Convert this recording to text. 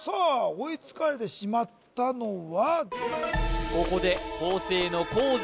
追いつかれてしまったのは？